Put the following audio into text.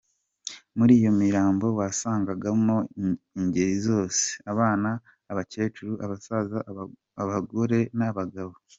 Muri iyo mirambo wasangaga mo ingeri zose: abana, abacyecuru, abasaza, abagore, abagabo…